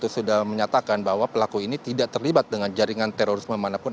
sudah menyatakan bahwa pelaku ini tidak terlibat dengan jaringan terorisme manapun